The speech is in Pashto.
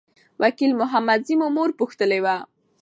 وکیل محمدزی مو مور پوښتلي وه.